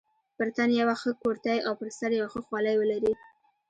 پر تن یوه ښه کورتۍ او پر سر یوه ښه خولۍ ولري.